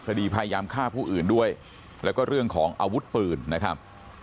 พยายามฆ่าผู้อื่นด้วยแล้วก็เรื่องของอาวุธปืนนะครับ